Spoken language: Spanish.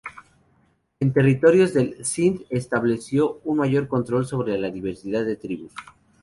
En territorios del Sind estableció un mayor control sobre la diversidad de tribus.